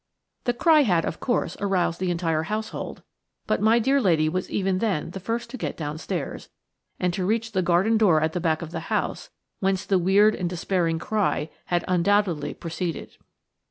The cry had, of course, aroused the entire household, but my dear lady was even then the first to get downstairs, and to reach the garden door at the back of the house, whence the weird and despairing cry had undoubtedly proceeded.